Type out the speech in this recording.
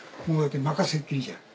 任せっきりじゃん。